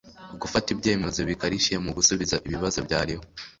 gufata ibyemezo bikarishye mu gusubiza ibibazo byariho